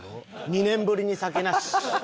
２年ぶりに酒なし。